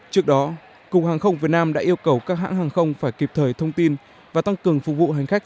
trước đó cục hàng không việt nam đã yêu cầu các hãng hàng không phải kịp thời thông tin và tăng cường phục vụ hành khách